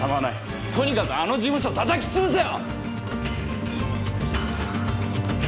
とにかくあの事務所をたたきつぶせよ！